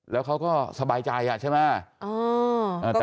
แล้วเขาก็สบายใจใช่ไหม